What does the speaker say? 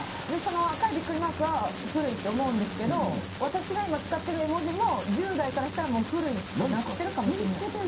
赤いビックリマークは古いって思うんですけど私が今使ってる絵文字も１０代からしたら古いってなっているかもしれない。